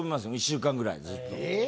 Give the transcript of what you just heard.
２週間ぐらいずっとえっ！？